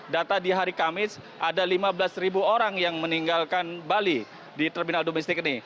data di hari kamis ada lima belas orang yang meninggalkan bali di terminal domestik ini